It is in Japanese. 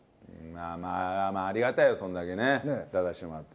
まあまあ、ありがたいよ、そんだけね、出させてもらって。